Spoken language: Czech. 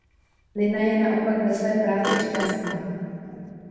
Lina je naopak ve své práci šťastná.